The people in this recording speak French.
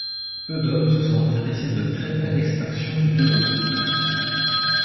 Peu d'hommes se sont intéressés de près à l'extinction du dodo.